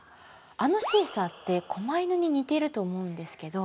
あのシーサーって狛犬に似てると思うんですけど。